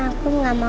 aku nggak mau tante